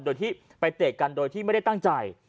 โดยที่ไปเตะกันโดยที่ไม่ได้ตั้งใจ